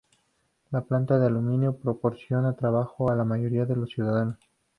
La planta de aluminio proporciona trabajo a la mayoría de los ciudadanos.